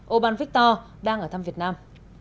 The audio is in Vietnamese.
oban victor đang ở thăm việt nam